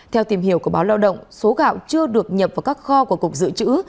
theo tìm hiểu của báo lao động số gạo chưa được nhập vào các kho của cục dự trữ